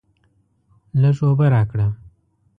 لږ اوبه راکړه!